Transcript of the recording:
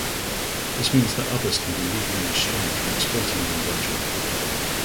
This means that others can be legally restrained from exploiting the invention.